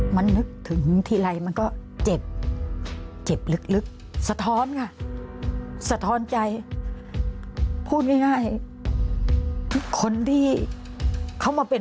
มันนึกถึงทีไรมันก็เจ็บเจ็บลึกสะท้อนค่ะสะท้อนใจพูดง่ายทุกคนที่เขามาเป็น